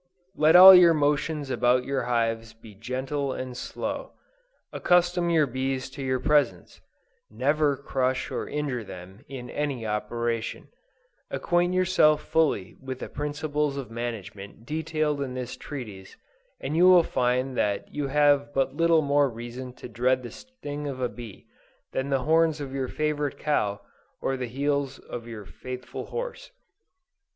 Let all your motions about your hives be gentle and slow. Accustom your bees to your presence; never crush or injure them in any operation; acquaint yourself fully with the principles of management detailed in this treatise, and you will find that you have but little more reason to dread the sting of a bee, than the horns of your favorite cow, or the heels of your faithful horse.